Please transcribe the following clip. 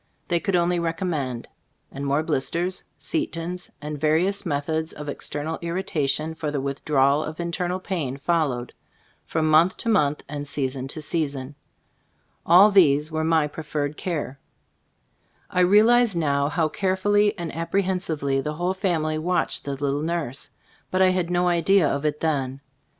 They could only recommend ; and more blisters, setons and various methods of external irritation for the withdrawal of internal pain followed, from month to month and season to season. All these were my preferred care. 84 Cbc Stotg of As CbtlDboofc I realize now how carefully and apprehensively the whole family watched the little nurse, but I had no idea of it then.